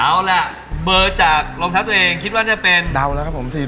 เอาล่ะเบอร์จากรองเท้าตัวเองคิดว่าจะเป็น